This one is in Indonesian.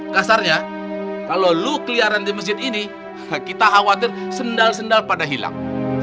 kasarnya kalau lu keliaran di masjid ini kita khawatir sendal sendal pada hilang